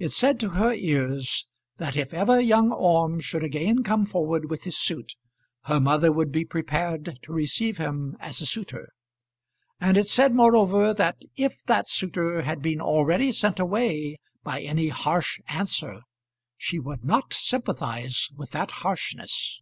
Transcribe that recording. It said to her ears that if ever young Orme should again come forward with his suit, her mother would be prepared to receive him as a suitor; and it said, moreover, that if that suitor had been already sent away by any harsh answer, she would not sympathise with that harshness.